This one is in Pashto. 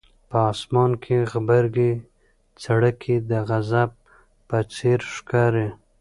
په اسمان کې غبرګې څړیکې د غضب په څېر ښکاري.